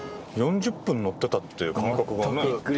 ４０分乗ってたっていう感覚がね。